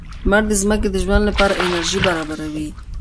لمر د ځمکې د ژوند لپاره انرژي برابروي.